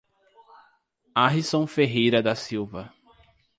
Arisson Ferreira da Silva